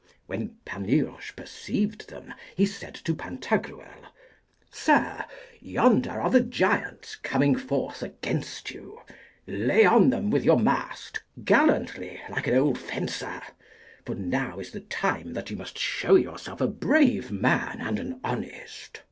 When Panurge perceived them, he said to Pantagruel, Sir, yonder are the giants coming forth against you; lay on them with your mast gallantly, like an old fencer; for now is the time that you must show yourself a brave man and an honest.